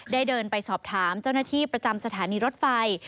เดินไปสอบถามเจ้าหน้าที่ประจำสถานีรถไฟ